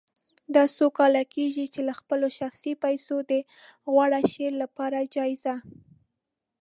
دا څو کاله کېږي چې له خپلو شخصي پیسو د غوره شعر لپاره جایزه